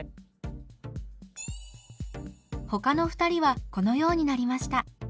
ほかの２人はこのようになりました。